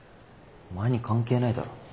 お前に関係ないだろ。